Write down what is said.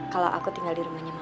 kalau aku tinggal di rumahnya